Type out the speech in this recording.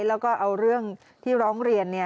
แล้วก็เอาเรื่องที่ร้องเรียน